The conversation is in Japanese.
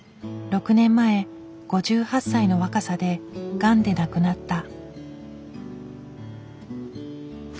６年前５８歳の若さでがんで亡くなった。